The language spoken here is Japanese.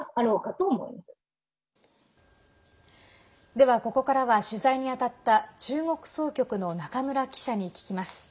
ではここからは取材に当たった中国総局の中村記者に聞きます。